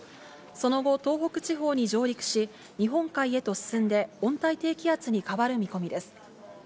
その後、東北地方に上陸し、日本海へと進んで、温帯低気圧に変わる見込みです。